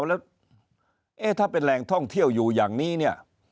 แล้วถ้าเป็นแหล่งท่องเที่ยวอยู่อย่างนี้เนี่ย